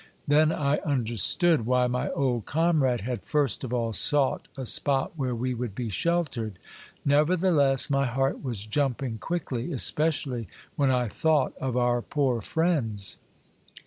Then I understood why my old comrade had first of all sought a spot where we would be shel tered. Nevertheless, my heart was jumping quickly, especially when I thought of our poor friends.